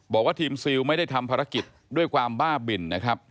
บอกว่าทีมซิลไม่ได้ทำภารกิจด้วยความบ้าบินนะครับ